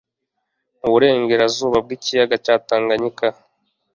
mu burengerazuba bw'ikiyaga cya Tanganyika.